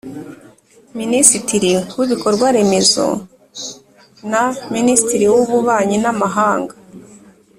Minisitiri w Ibikorwa Remezo na Minisitiri w Ububanyi na Amahanga